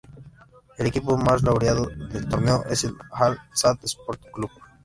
El equipo más laureado del torneo es el Al-Sadd Sports Club.